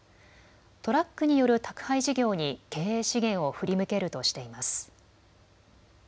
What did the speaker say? トラックによる宅配事業に経営資源を振り向けるとしています。